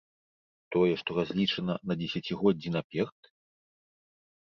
Тое, што разлічана на дзесяцігоддзі наперад?